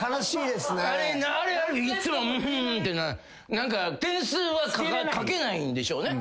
あれいっつもうんって点数は書けないんでしょうね。